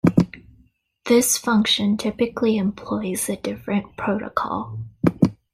This function typically employs a different protocol.